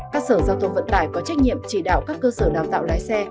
các sở giao thông vận tải có trách nhiệm chỉ đạo các cơ sở đào tạo lái xe